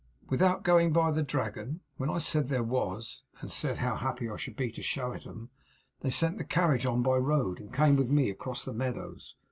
'"Without going by the Dragon?" When I said there was, and said how happy I should be to show it 'em, they sent the carriage on by the road, and came with me across the meadows.